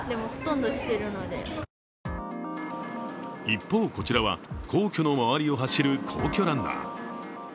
一方、こちらは皇居の周りを走る皇居ランナー。